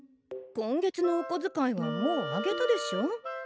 今月のおこづかいはもうあげたでしょ。